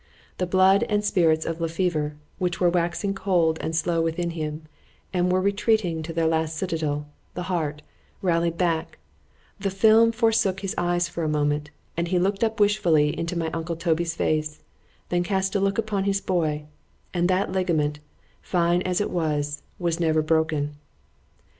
——The blood and spirits of Le Fever, which were waxing cold and slow within him, and were retreating to their last citadel, the heart—rallied back,—the film forsook his eyes for a moment,—he looked up wishfully in my uncle Toby's face,—then cast a look upon his boy,——and that ligament, fine as it was,—was never broken.